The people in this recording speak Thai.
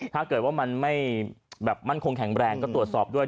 ถ้าเกิดว่ามันไม่แบบมั่นคงแข็งแรงก็ตรวจสอบด้วย